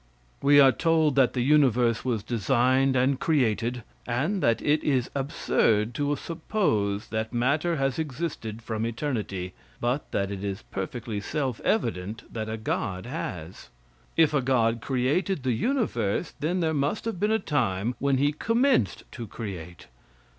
We are told that the universe was designed and created, and that it is absurd to suppose that matter has existed from eternity, but that it is perfectly self evident that a god has. If a god created the universe, then there must have been a time when he commenced to create.